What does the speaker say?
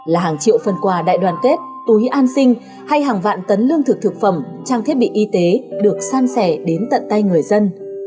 là hàng triệu phần quà đại đoàn kết túi an sinh hay hàng vạn tấn lương thực thực phẩm trang thiết bị y tế được san sẻ đến tận tay người dân